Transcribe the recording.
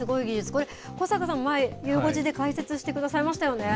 これ、小坂さん、前、ゆう５時で解説してくださいましたよね。